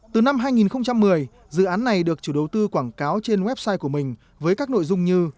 từ năm hai nghìn một mươi dự án này được chủ đầu tư quảng cáo trên website của mình với các nội dung như